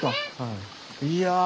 いや。